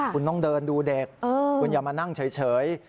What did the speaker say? คุณต้องเดินดูเด็กคุณอย่ามานั่งเฉย